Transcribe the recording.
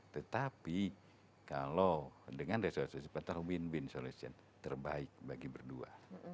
tetapi kalau dengan resolusi sementara win win solution terbaik bagi berdua